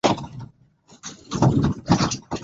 Mwanafunzi wa chuo kikuu anahitaji kompyuta ya mkokoni.